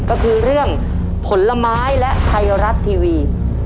ก็คือเรื่องผลไม้และไทยรัฐทีวี